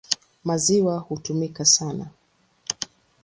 Maziwa hutumika sana.